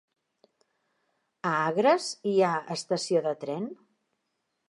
A Agres hi ha estació de tren?